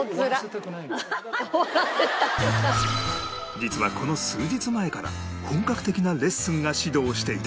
実はこの数日前から本格的なレッスンが始動していた